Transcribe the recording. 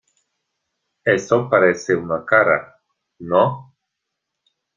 eso parece una cara, ¿ no?